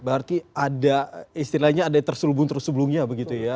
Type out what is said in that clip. berarti ada istilahnya ada yang terselubung terus sebelumnya begitu ya